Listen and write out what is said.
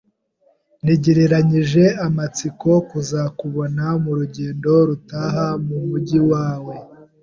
[S] Ntegerezanyije amatsiko kuzakubona mu rugendo rutaha mu mujyi wawe.